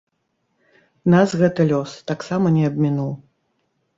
Нас гэты лёс таксама не абмінуў.